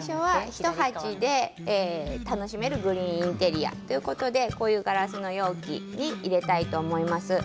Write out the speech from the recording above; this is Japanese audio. １鉢で楽しめるグリーンインテリアということでガラスの容器に入れたいと思います。